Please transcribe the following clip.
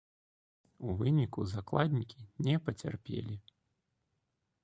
У выніку закладнікі не пацярпелі.